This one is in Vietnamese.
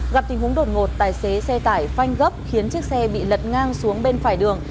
gặp tình huống đột ngột tài xế xe tải phanh gấp khiến chiếc xe bị lật ngang xuống bên phải đường